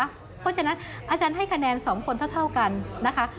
เพราะฉะนั้นอาจารย์ให้คะแนน๒คนเท่ากันนะคะ